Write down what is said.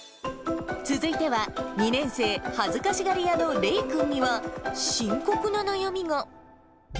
続いては、２年生、恥ずかしがり屋のれいくんには、深刻な悩みが。